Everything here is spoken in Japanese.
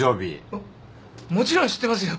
もっもちろん知ってますよ。